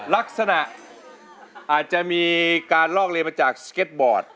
ลักษณะอาจจะมีการลอกเรียนมาจากสเก็ตบอร์ด